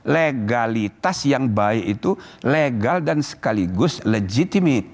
legalitas yang baik itu legal dan sekaligus legitimit